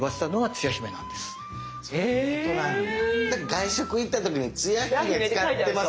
外食行った時につや姫使ってます。